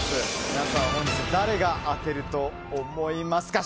皆さんは本日誰が当てると思いますか？